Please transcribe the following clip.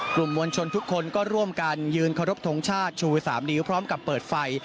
มวลชนทุกคนก็ร่วมกันยืนเคารพทงชาติชู๓นิ้วพร้อมกับเปิดไฟ